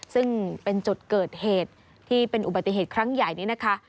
ซึ่งเป็นจุดเกิดเหตุที่เป็นอุบัติเหตุครั้งใหญ่นี้นะคะ